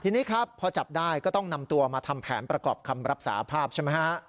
ทีนี้ครับพอจับได้ก็ต้องนำตัวมาทำแผนประกอบคำรับสาภาพใช่ไหมฮะ